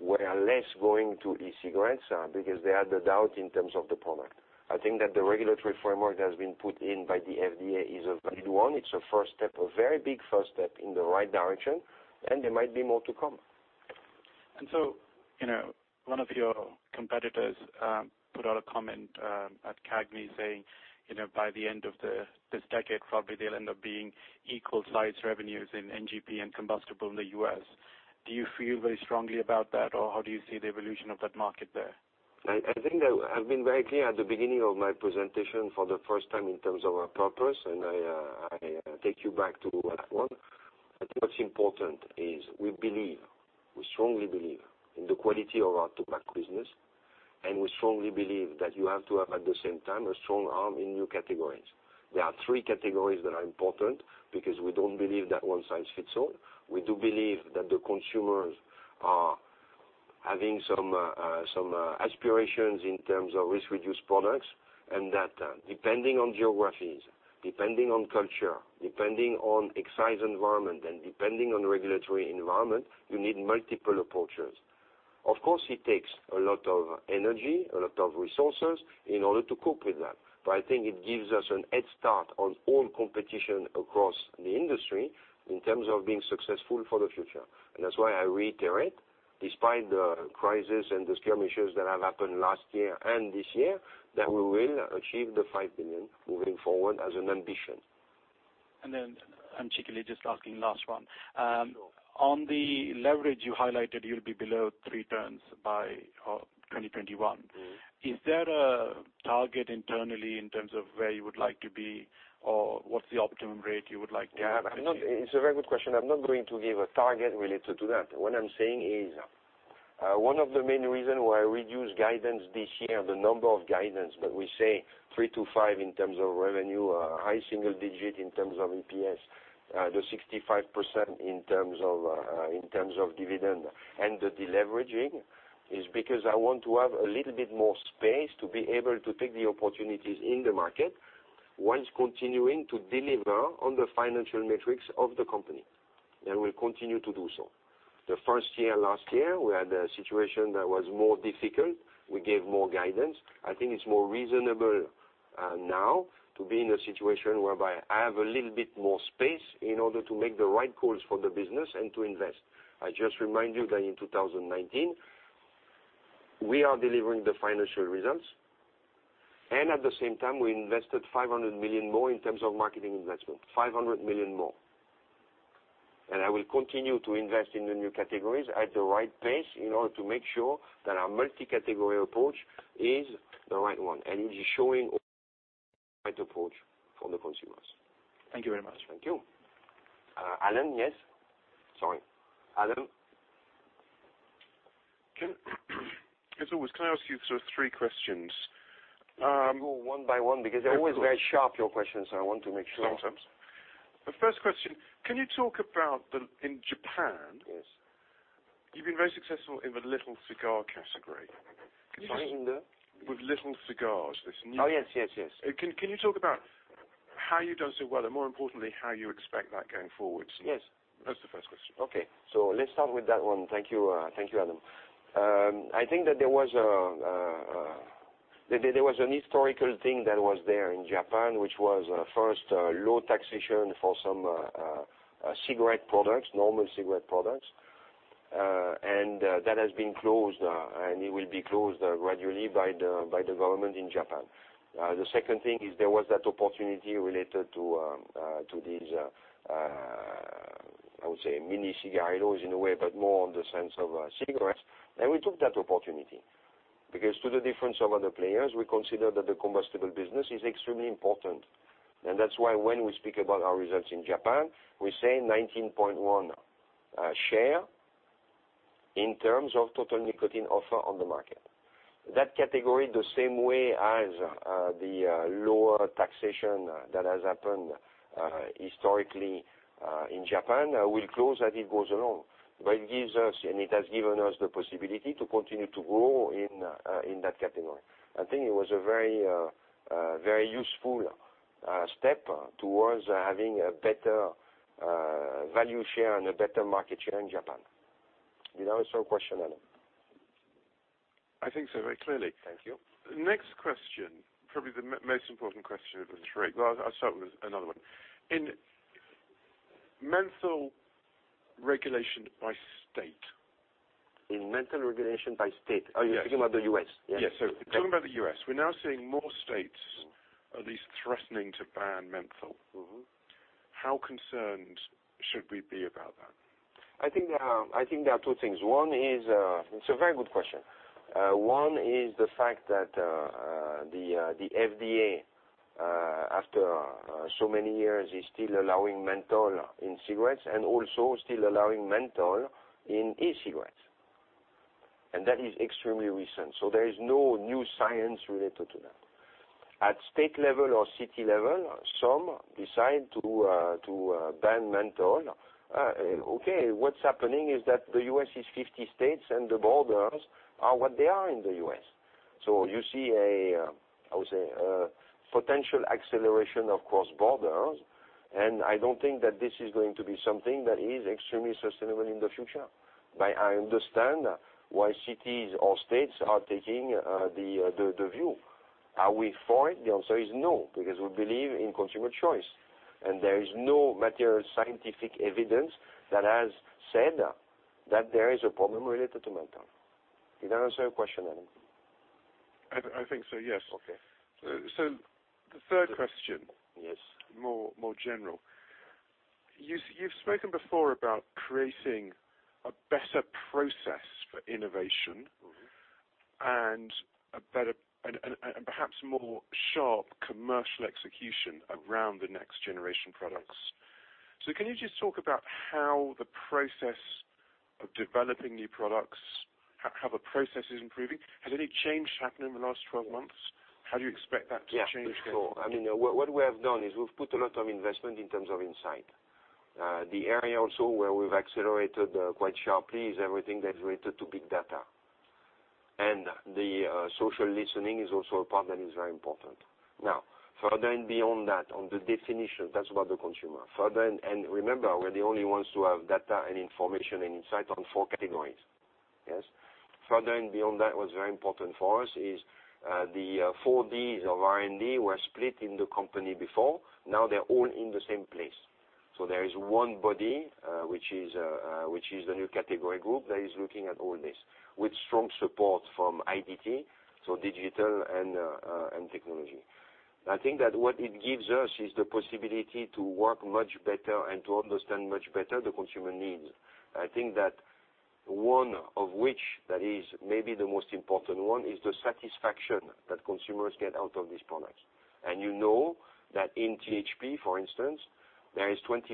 S2: were less going to e-cigarettes because they had the doubt in terms of the product. I think that the regulatory framework that has been put in by the FDA is a valid one. It's a first step, a very big first step in the right direction, and there might be more to come.
S6: One of your competitors put out a comment at CAGNY saying, by the end of this decade, probably they'll end up being equal size revenues in NGP and combustible in the U.S.. Do you feel very strongly about that, or how do you see the evolution of that market there?
S2: I think I've been very clear at the beginning of my presentation for the first time in terms of our purpose, I take you back to that one. I think what's important is we strongly believe in the quality of our tobacco business, we strongly believe that you have to have, at the same time, a strong arm in new categories. There are three categories that are important because we don't believe that one size fits all. We do believe that the consumers are having some aspirations in terms of risk-reduced products, that depending on geographies, depending on culture, depending on excise environment, and depending on regulatory environment, you need multiple approaches. Of course, it takes a lot of energy, a lot of resources in order to cope with that. I think it gives us a head start on all competition across the industry in terms of being successful for the future. That's why I reiterate, despite the crisis and the skirmishes that have happened last year and this year, that we will achieve the 5 billion moving forward as an ambition.
S6: Particularly just asking last one.
S2: Sure.
S6: On the leverage you highlighted, you'll be below three turns by 2021. Is there a target internally in terms of where you would like to be or what's the optimum rate you would like to have?
S2: It's a very good question. I'm not going to give a target related to that. What I'm saying is, one of the main reasons why we reduced guidance this year, the number of guidance, but we say three to five in terms of revenue, high single-digit in terms of EPS, the 65% in terms of dividend and the deleveraging, is because I want to have a little bit more space to be able to take the opportunities in the market whilst continuing to deliver on the financial metrics of the company, and we'll continue to do so. The first year, last year, we had a situation that was more difficult. We gave more guidance. I think it's more reasonable now to be in a situation whereby I have a little bit more space in order to make the right calls for the business and to invest. I just remind you that in 2019, we are delivering the financial results. At the same time, we invested 500 million more in terms of marketing investment. 500 million more. I will continue to invest in the new categories at the right pace in order to make sure that our multi-category approach is the right one and is showing right approach for the consumers.
S6: Thank you very much.
S2: Thank you. Alan, yes? Sorry. Alan?
S7: As always, can I ask you three questions?
S2: I'll go one by one because they're always very sharp, your questions. I want to make sure.
S7: Sometimes. The first question, can you talk about in Japan?
S2: Yes.
S7: You've been very successful in the little cigar category.
S2: Sorry?
S7: With little cigars.
S2: Oh, yes.
S7: Can you talk about how you've done so well and more importantly, how you expect that going forward?
S2: Yes.
S7: That's the first question.
S2: Okay. Let's start with that one. Thank you, Alan. I think that there was an historical thing that was there in Japan, which was first low taxation for some cigarette products, normal cigarette products. That has been closed, and it will be closed gradually by the government in Japan. The second thing is there was that opportunity related to these, I would say, mini cigarillos in a way, but more on the sense of cigarettes. We took that opportunity. Because to the difference of other players, we consider that the combustible business is extremely important. That's why when we speak about our results in Japan, we say 19.1 share in terms of total nicotine offer on the market. That category, the same way as the lower taxation that has happened historically in Japan, will close as it goes along. It gives us, and it has given us the possibility to continue to grow in that category. I think it was a very useful step towards having a better value share and a better market share in Japan. Did I answer your question, Alan?
S7: I think so, very clearly.
S2: Thank you.
S7: Next question, probably the most important question. Well, I'll start with another one. In menthol regulation by state.
S2: In menthol regulation by state. Are you thinking about the U.S.?
S7: Yes. Talking about the U.S., we're now seeing more states at least threatening to ban menthol. How concerned should we be about that?
S2: I think there are two things. It's a very good question. One is the fact that the FDA, after so many years, is still allowing menthol in cigarettes and also still allowing menthol in e-cigarettes. That is extremely recent. There is no new science related to that. At state level or city level, some decide to ban menthol. Okay. What's happening is that the U.S. is 50 states, and the borders are what they are in the U.S.. You see a, I would say, potential acceleration of cross borders, and I don't think that this is going to be something that is extremely sustainable in the future. I understand why cities or states are taking the view. Are we for it? The answer is no, because we believe in consumer choice, and there is no material scientific evidence that has said that there is a problem related to menthol. Did I answer your question, Alan?
S7: I think so, yes.
S2: Okay.
S7: The third question.
S2: Yes.
S7: More general. You've spoken before about creating a better process for innovation and a better and perhaps more sharp commercial execution around the next generation products. Can you just talk about how the process of developing new products, how the process is improving? Has any change happened in the last 12 months? How do you expect that to change going forward?
S2: Yeah, for sure. What we have done is we've put a lot of investment in terms of insight. The area also where we've accelerated quite sharply is everything that's related to big data. The social listening is also a part that is very important. Now, further and beyond that, on the definition, that's about the consumer. Remember, we're the only ones who have data and information and insight on four categories. Yes. Further and beyond that, what's very important for us is the four Ds of R&D were split in the company before. Now they're all in the same place. There is one body, which is the new category group that is looking at all this, with strong support from IDT, so digital and technology. I think that what it gives us is the possibility to work much better and to understand much better the consumer needs. I think that one of which that is maybe the most important one is the satisfaction that consumers get out of these products. You know that in THP, for instance, there is 25%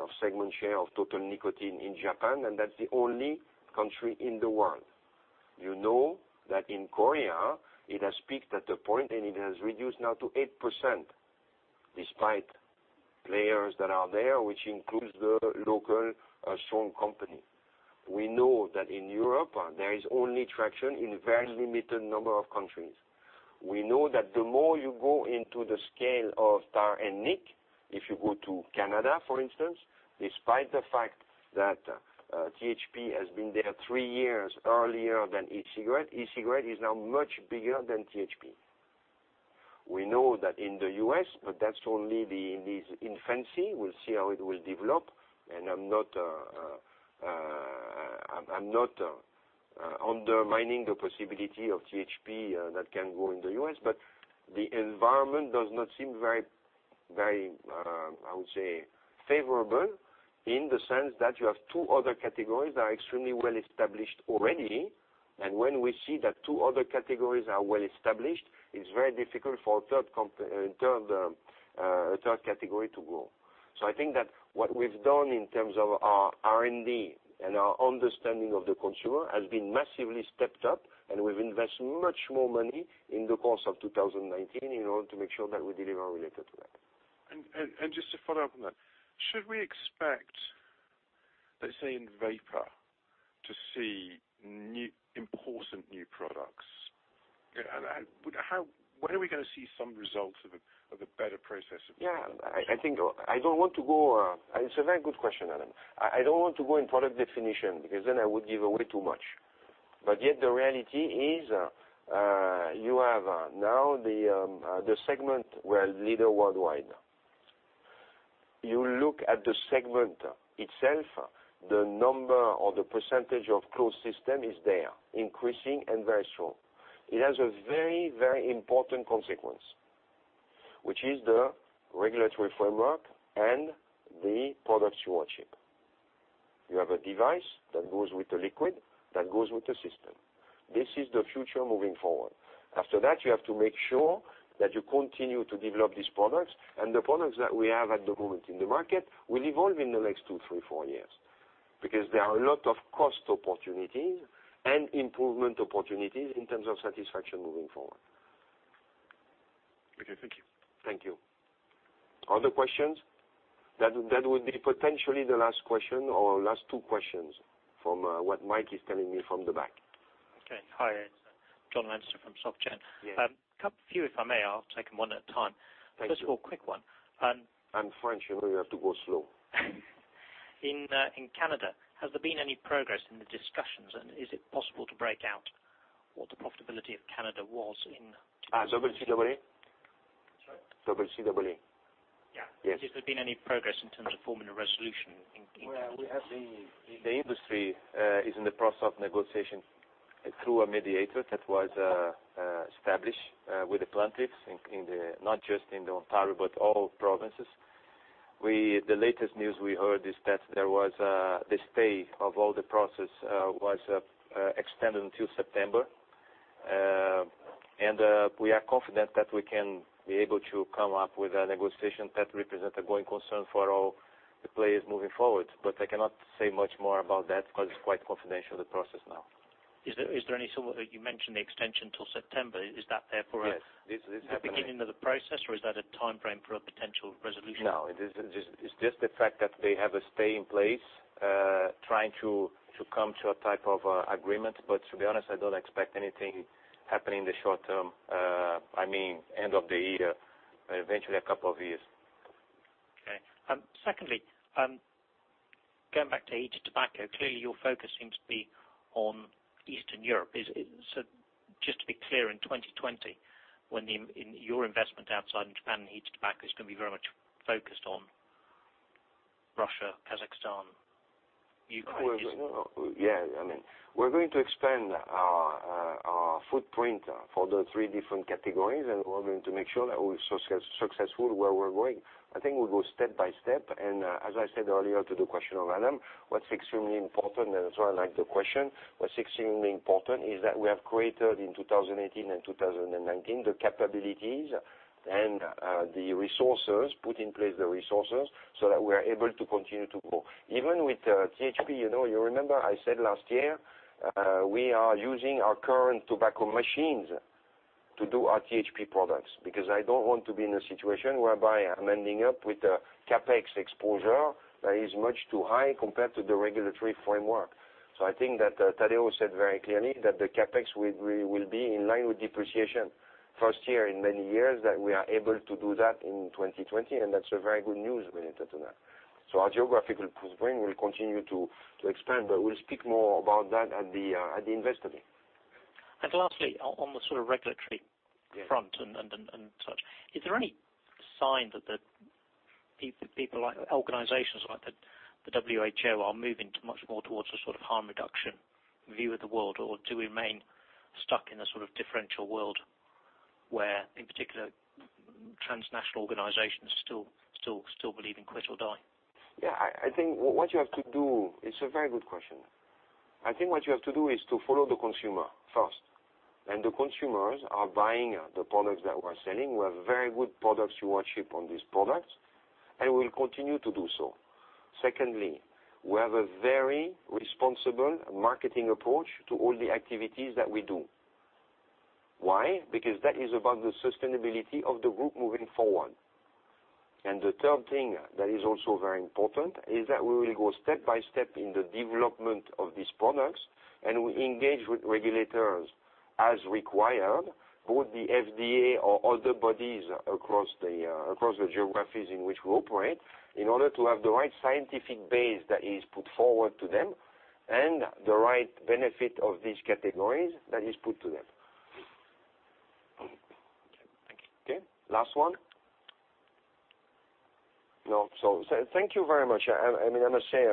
S2: of segment share of total nicotine in Japan, and that's the only country in the world. You know that in Korea it has peaked at a point, and it has reduced now to 8%, despite players that are there, which includes the local strong company. We know that in Europe there is only traction in a very limited number of countries. We know that the more you go into the scale of tar and nic, if you go to Canada, for instance, despite the fact that THP has been there three years earlier than e-cigarette, e-cigarette is now much bigger than THP. We know that in the U.S., but that's only in its infancy. We'll see how it will develop. I'm not undermining the possibility of THP that can grow in the U.S., but the environment does not seem very, I would say, favorable in the sense that you have two other categories that are extremely well-established already. When we see that two other categories are well-established, it's very difficult for a third category to grow. I think that what we've done in terms of our R&D and our understanding of the consumer has been massively stepped up, and we've invested much more money in the course of 2019 in order to make sure that we deliver related to that.
S7: Just to follow up on that, should we expect, let's say, in vapor, to see important new products? When are we going to see some results of the better process of development?
S2: Yeah. It's a very good question, Alan. I don't want to go in product definition because then I would give away too much. Yet the reality is, you have now the segment we're leader worldwide. You look at the segment itself, the number or the percentage of closed system is there, increasing and very strong. It has a very, very important consequence, which is the regulatory framework and the products you are shipping. You have a device that goes with the liquid, that goes with the system. This is the future moving forward. After that, you have to make sure that you continue to develop these products, and the products that we have at the moment in the market will evolve in the next two, three, four years because there are a lot of cost opportunities and improvement opportunities in terms of satisfaction moving forward.
S7: Okay, thank you.
S2: Thank you. Other questions? That would be potentially the last question or last two questions from what Mike is telling me from the back.
S8: Okay. Hi. It's Jon Leinster from SocGen.
S2: Yes.
S8: A few, if I may. I'll take them one at a time.
S2: Thank you.
S8: First of all, quick one.
S2: I'm French, you know, you have to go slow.
S8: In Canada, has there been any progress in the discussions and is it possible to break out what the profitability of Canada was in-
S2: CCAA?
S8: Sorry?
S2: CCAA.
S8: Yeah.
S2: Yes.
S8: Has there been any progress in terms of forming a resolution in Canada?
S3: Well, the industry is in the process of negotiation through a mediator that was established with the plaintiffs, not just in Ontario, but all provinces. The latest news we heard is that the stay of all the process was extended until September. We are confident that we can be able to come up with a negotiation that represents a growing concern for all the players moving forward. I cannot say much more about that because it's quite confidential, the process now.
S8: You mentioned the extension till September. Is that therefore-
S3: Yes.
S8: Beginning of the process, or is that a timeframe for a potential resolution?
S3: No, it's just the fact that they have a stay in place, trying to come to a type of agreement. To be honest, I don't expect anything happening in the short term. I mean, end of the year, eventually a couple of years.
S8: Okay. Secondly, going back to heated tobacco, clearly your focus seems to be on Eastern Europe. Just to be clear, in 2020, when your investment outside in Japan in heated tobacco is going to be very much focused on Russia, Kazakhstan.
S2: Yeah. We're going to expand our footprint for the three different categories, and we're going to make sure that we're successful where we're going. I think we'll go step by step. As I said earlier to the question of Alan, what's extremely important, and that's why I like the question, what's extremely important is that we have created in 2018 and 2019 the capabilities and the resources, put in place the resources, so that we are able to continue to grow. Even with THP, you remember I said last year, we are using our current tobacco machines to do our THP products, because I don't want to be in a situation whereby I'm ending up with a CapEx exposure that is much too high compared to the regulatory framework. I think that Tadeu said very clearly that the CapEx will be in line with depreciation first year in many years, that we are able to do that in 2020, and that's a very good news related to that. Our geographic footprint will continue to expand, but we'll speak more about that at the Investor Day.
S8: Lastly, on the sort of regulatory front and such, is there any sign that the people, organizations like the WHO are moving much more towards a sort of harm reduction view of the world? Or do we remain stuck in a sort of differential world where, in particular, transnational organizations still believe in quit or die?
S2: Yeah. It's a very good question. I think what you have to do is to follow the consumer first. The consumers are buying the products that we're selling. We have very good products, you watch it on these products, and we will continue to do so. Secondly, we have a very responsible marketing approach to all the activities that we do. Why? Because that is about the sustainability of the group moving forward. The third thing that is also very important is that we will go step by step in the development of these products, and we engage with regulators as required, both the FDA or other bodies across the geographies in which we operate, in order to have the right scientific base that is put forward to them and the right benefit of these categories that is put to them.
S8: Thank you.
S2: Okay. Last one. No. Thank you very much. I must say,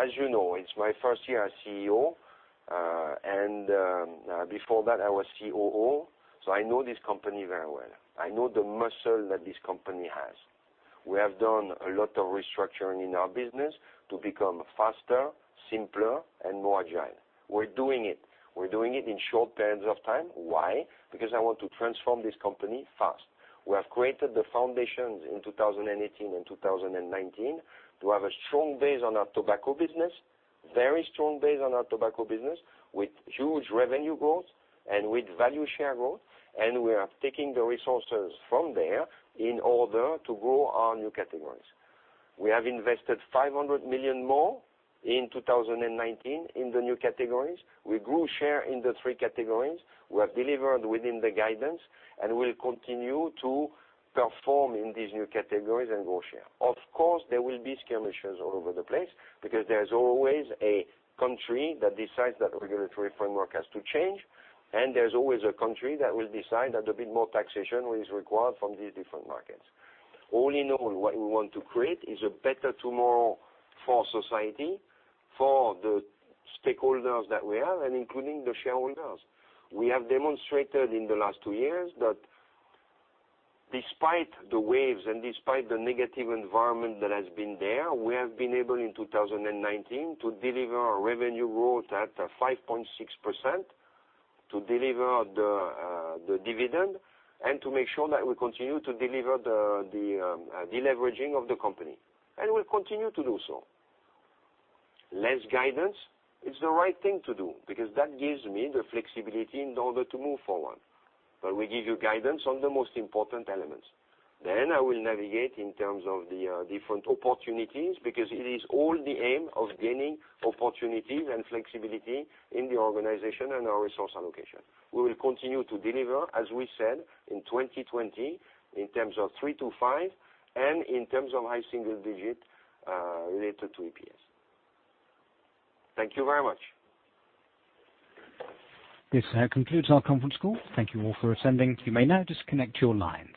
S2: as you know, it's my first year as CEO. Before that I was COO, I know this company very well. I know the muscle that this company has. We have done a lot of restructuring in our business to become faster, simpler, and more agile. We're doing it. We're doing it in short periods of time. Why? Because I want to transform this company fast. We have created the foundations in 2018 and 2019 to have a strong base on our tobacco business, very strong base on our tobacco business, with huge revenue growth and with value share growth. We are taking the resources from there in order to grow our new categories. We have invested 500 million more in 2019 in the new categories. We grew share in the three categories. We have delivered within the guidance, and we'll continue to perform in these new categories and grow share. Of course, there will be skirmishes all over the place because there's always a country that decides that regulatory framework has to change, and there's always a country that will decide that a bit more taxation is required from these different markets. All in all, what we want to create is a better tomorrow for society, for the stakeholders that we have, and including the shareholders. We have demonstrated in the last two years that despite the waves and despite the negative environment that has been there, we have been able in 2019 to deliver a revenue growth at 5.6%, to deliver the dividend, and to make sure that we continue to deliver the deleveraging of the company. We'll continue to do so. Less guidance, it's the right thing to do because that gives me the flexibility in order to move forward. We give you guidance on the most important elements. I will navigate in terms of the different opportunities because it is all the aim of gaining opportunities and flexibility in the organization and our resource allocation. We will continue to deliver, as we said, in 2020, in terms of 3%-5% and in terms of high single-digit related to EPS. Thank you very much.
S1: This concludes our conference call. Thank you all for attending. You may now disconnect your lines.